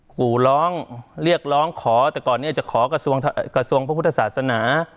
ขู่ร้องเรียกร้องขอแต่ก่อนนี้จะขอกระทรวงพระพุทธศาสนา